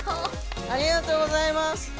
ありがとうございます。